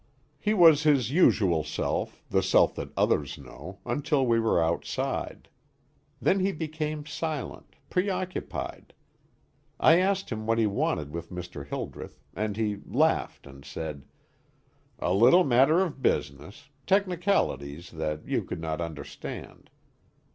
He was his usual self the self that others know, until we were outside. Then he became silent preoccupied. I asked him what he wanted with Mr. Hildreth, and he laughed and said: "A little matter of business technicalities that you could not understand."